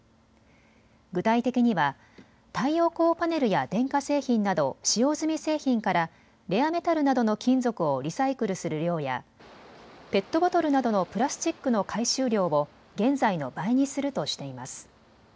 具体的には太陽光パネルや電化製品など使用済み製品からレアメタルなどの金属をリサイクルする量やペットボトルなどのプラスチックの回収量を現在の倍にするとしています。